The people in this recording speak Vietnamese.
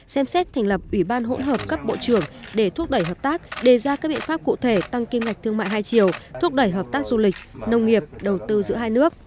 xem xét thành lập ủy ban hỗn hợp cấp bộ trưởng để thúc đẩy hợp tác đề ra các biện pháp cụ thể tăng kim ngạch thương mại hai chiều thúc đẩy hợp tác du lịch nông nghiệp đầu tư giữa hai nước